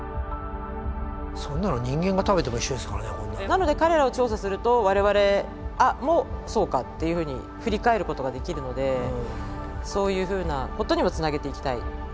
なので彼らを調査すると我々もそうかっていうふうに振り返ることができるのでそういうふうなことにもつなげていきたい。